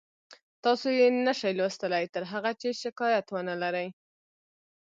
تاسو یې نشئ لوستلی تر هغه چې شکایت ونلرئ